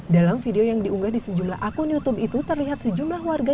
dalam video yang diunggah di sejumlah akun youtube itu terlihat sejumlah warga